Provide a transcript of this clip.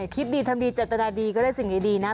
คิดดีทำดีเจตนาดีก็ได้สิ่งดีนะ